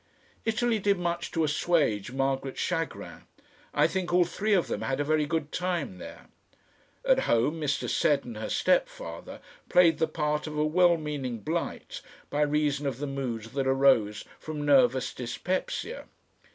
Italy did much to assuage Margaret's chagrin. I think all three of them had a very good time there. At home Mr. Seddon, her step father, played the part of a well meaning blight by reason of the moods that arose from nervous dyspepsia.